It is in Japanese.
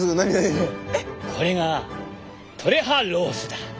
これがトレハロースだ。